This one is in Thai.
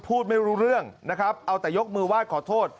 พูดไม่รู้เรื่องนะครับเอาแต่ยกมือไหว้ขอโทษ